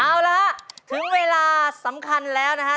เอาละฮะถึงเวลาสำคัญแล้วนะฮะ